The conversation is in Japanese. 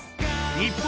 日本